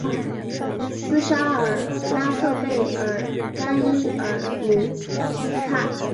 斯沙尔拉克贝尔甘伊尔姆斯泰。